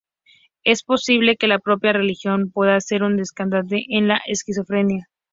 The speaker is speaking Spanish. Es posible que la propia religión pueda ser un desencadenante de la esquizofrenia.